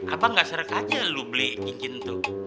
abang ga seret aja lo beli cincin itu